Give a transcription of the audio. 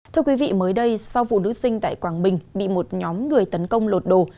thưa quý vị mới đây sau vụ nữ sinh tại quảng bình bị một nhóm người tấn công lột đồ